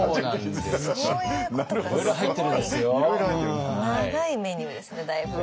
すごい長いメニューですねだいぶ。